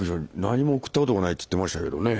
何も贈ったことがないって言ってましたけどね。